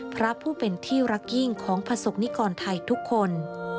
พระผู้เป็นที่รักยิ่งของประสบนิกรไทยทุกคน